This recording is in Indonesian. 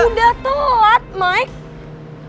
udah telat mike